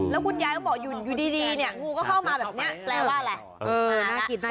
แล้วคุณยายต้องบอกอยู่ดีเนี่ยงูเข้ามาแบบนี้แปลว่าแน่น่ากิน